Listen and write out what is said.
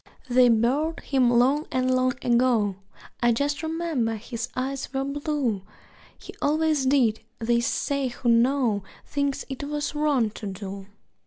They buried him long and long ago (I just remember his eyes were blue), He always did they say who know Things it was wrong to do.